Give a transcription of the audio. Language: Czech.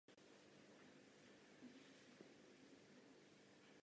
To svědčí o dosti živém zájmu o tuto platformu.